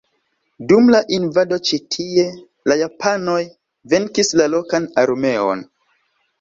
Dum la invado ĉi tie la japanoj venkis la lokan armeon.